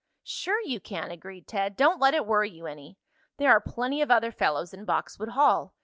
"Sure you can!" agreed Ted. "Don't let it worry you any. There are plenty of other fellows in Boxwood Hall.